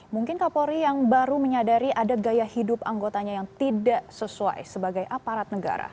mungkin kapolri yang baru menyadari ada gaya hidup anggotanya yang tidak sesuai sebagai aparat negara